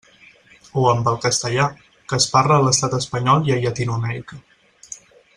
O amb el castellà, que es parla a l'estat espanyol i a Llatinoamèrica.